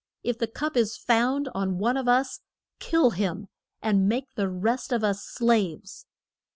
If the cup is found on one of us, kill him; and make the rest of us slaves.